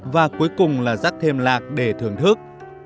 và cuối cùng là dắt thêm lạc để thưởng thức